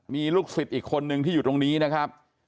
มีลูกศิษย์อีกคนนึงที่อยู่ตรงนี้นะครับ